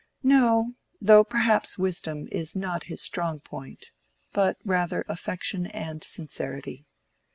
"No; though perhaps wisdom is not his strong point, but rather affection and sincerity.